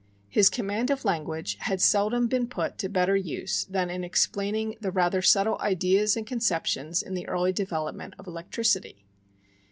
His command of language had seldom been put to better use than in explaining the rather subtle ideas and conceptions in the early development of electricity.